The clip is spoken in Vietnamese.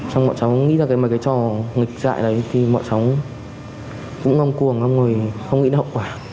xong mọi cháu nghĩ ra mấy cái trò nghịch dại đấy thì mọi cháu cũng ngong cuồng mọi người không nghĩ đậu quả